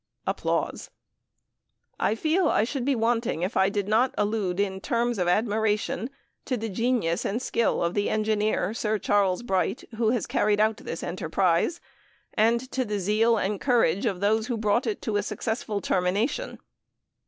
I feel I should be wanting if I did not allude in terms of admiration to the genius and skill of the engineer, Sir Charles Bright, who has carried out this enterprise, and to the zeal and courage of those who brought it to a successful termination.